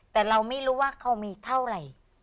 แต่เราไม่รู้ว่าเขามีเท่าไหร่